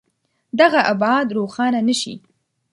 دغه ابعاد روښانه نه شي.